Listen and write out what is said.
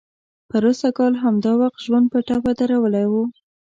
پروسږ کال همدا وخت ژوند په ټپه درولی و.